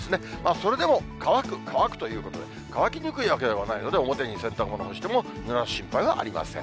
それでも乾く、乾くということで、乾きにくいわけではないので、表に洗濯物干してもぬらす心配はありません。